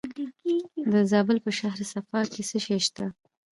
د زابل په شهر صفا کې څه شی شته؟